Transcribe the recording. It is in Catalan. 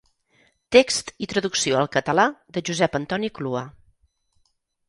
Text i traducció al català de Josep Antoni Clua.